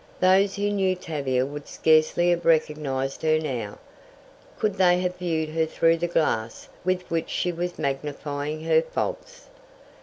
Those who knew Tavia would scarcely have recognized her now, could they have viewed her through the glass with which she was magnifying her faults.